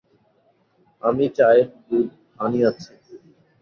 আমি চায়ের দুধ আনিয়াছি।